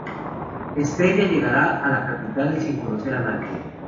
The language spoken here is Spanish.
Estrella llegará a la capital sin conocer a nadie.